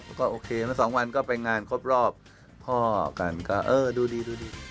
เมื่อ๒วันก็ไปงานครบรอบพ่อกันก็ดูดี